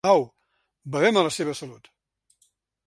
Au, bevem a la seva salut.